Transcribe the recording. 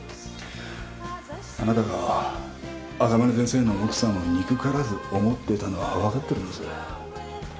あなたが赤羽先生の奥さまを憎からず思っていたのは分かってるんです。